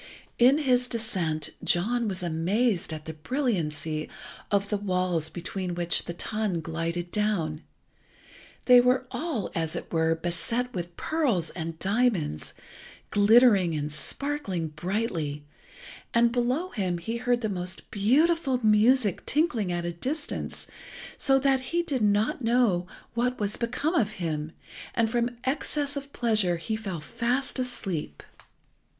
In his descent John was amazed at the brilliancy of the walls between which the tun glided down. They were all, as it were, beset with pearls and diamonds, glittering and sparkling brightly, and below him he heard the most beautiful music tinkling at a distance, so that he did not know what was become of him, and from excess of pleasure he fell fast asleep.